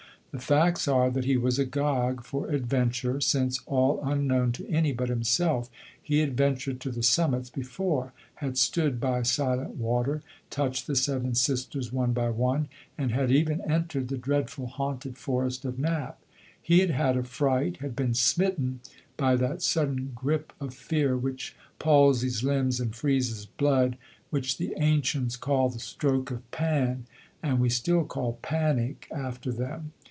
The facts are that he was agog for adventure, since, all unknown to any but himself, he had ventured to the summits before, had stood by Silent Water, touched the Seven Sisters one by one, and had even entered the dreadful, haunted, forest of Knapp. He had had a fright, had been smitten by that sudden gripe of fear which palsies limbs and freezes blood, which the ancients called the Stroke of Pan, and we still call Panic after them.